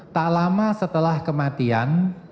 tak lama setelah kematian